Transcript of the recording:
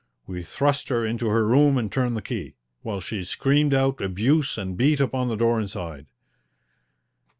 We thrust her into her room and turned the key, while she screamed out abuse and beat upon the door inside.